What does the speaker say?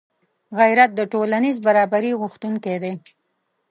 غیرت د ټولنیز برابري غوښتونکی دی